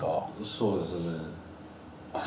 そうですねあっ